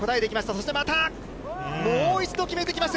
そしてまたもう一度決めてきました。